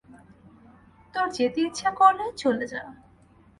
তোর যেতে ইচ্ছা করলে চলে যা।